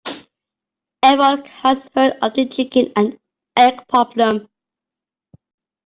Everyone has heard of the chicken and egg problem.